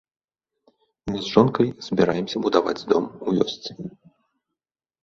Мы з жонкай збіраемся будаваць дом у вёсцы.